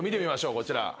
こちら。